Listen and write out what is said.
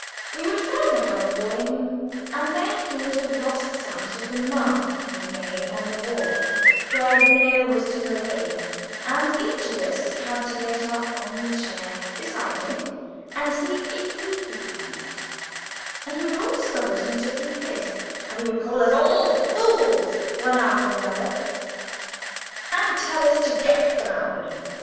We would find the hammer for him, and then he would have lost sight of the mark he had made on the wall, where the nail was to go in, and each of us had to get up on the chair, beside him, and see if we could find it; and we would each discover it in a different place, and he would call us all fools, one after another, and tell us to get down.